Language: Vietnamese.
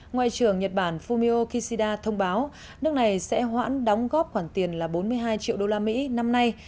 ngoại trưởng nhật bản fumio kishida thông báo nước này sẽ hoãn đóng góp khoản tiền là bốn mươi hai triệu đô la mỹ năm nay